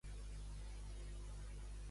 Com és que Bella se sent atreta per Edward?